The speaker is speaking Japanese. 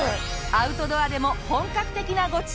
アウトドアでも本格的なごちそう！